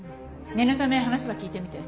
念のため話は聞いてみて。